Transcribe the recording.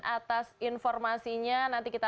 atas informasinya nanti kita